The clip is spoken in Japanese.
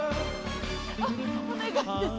お願いです！